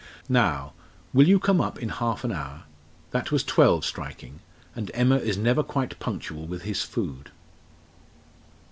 "Now, will you come up in half an hour? That was twelve striking, and Emma is never quite punctual with his food."